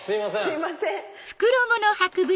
すいません。